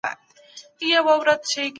اغیزمن عوامل د کارپوهانو لخوا څیړل کیږي.